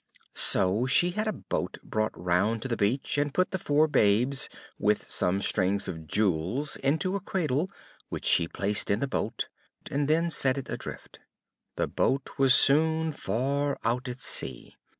So she had a boat brought round to the beach, and put the four babes, with some strings of jewels, into a cradle, which she placed in the boat, and then set it adrift. The boat was soon far out at sea.